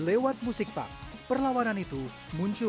lewat musik park perlawanan itu muncul